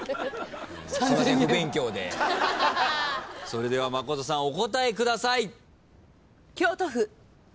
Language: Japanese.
それでは真琴さんお答えください。